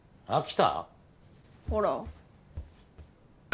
ほら。